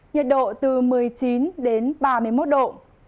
nhiệt độ từ một mươi chín đến ba mươi một độ